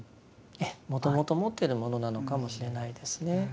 ええもともと持っているものなのかもしれないですね。